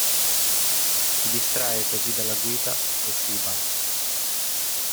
Si distrae così dalla guida e si ribalta.